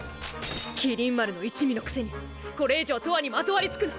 麒麟丸の一味のくせにこれ以上とわにまとわりつくな！！